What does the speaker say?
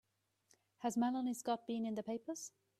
Has Melanie Scott been in the papers?